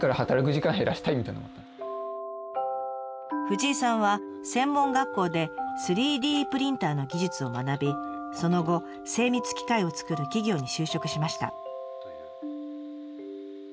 藤井さんは専門学校で３Ｄプリンターの技術を学びその後精密機械を作る企業に就職しました。